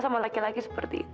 lapor aja aku gak takut